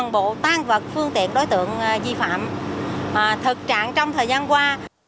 bộ tan vật phương tiện đối tượng di phạm thực trạng trong thời gian qua